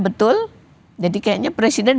betul jadi kayaknya presiden